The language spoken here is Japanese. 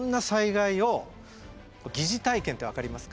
疑似体験って分かりますか？